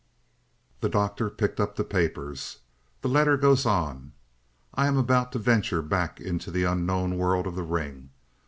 The Doctor picked up the papers. "The letter goes on: 'I am about to venture back into the unknown world of the ring.